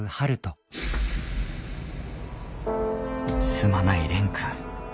すまない蓮くん。